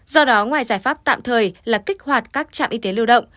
do đó ngoài giải pháp tạm thời là kích hoạt các trạm y tế lưu động